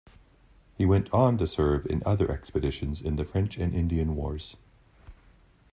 He went on to serve in other expeditions in the French and Indian Wars.